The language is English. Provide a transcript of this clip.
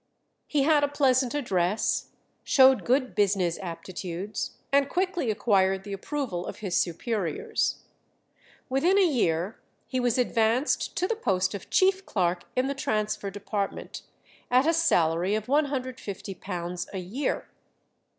He had a pleasant address, showed good business aptitudes, and quickly acquired the approval of his superiors. Within a year he was advanced to the post of chief clerk in the transfer department, at a salary of £150 a year.